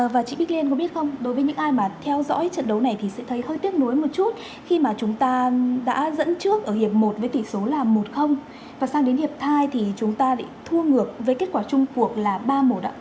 và chị bích liên có biết không đối với những ai mà theo dõi trận đấu này thì sẽ thấy hơi tiếc nuối một chút khi mà chúng ta đã dẫn trước ở hiệp một với tỷ số là một và sang đến hiệp thai thì chúng ta lại thua ngược với kết quả chung cuộc là ba một ạ